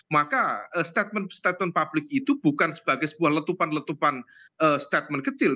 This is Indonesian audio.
maka statement statement publik itu bukan sebagai sebuah letupan letupan statement kecil